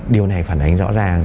điều này phản ánh rõ ràng